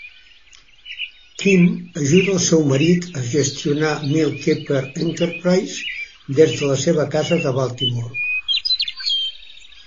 Kim ajuda el seu marit a gestionar Mel Kiper Enterprises des de la seva casa de Baltimore.